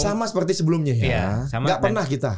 sama seperti sebelumnya ya nggak pernah kita